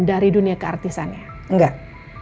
dari dunia keartisannya enggak